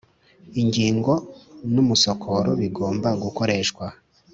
ingingo n umusokoro bigomba gukoreshwa